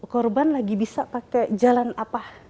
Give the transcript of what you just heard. korban lagi bisa pakai jalan apa